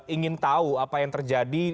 ingin tahu apa yang terjadi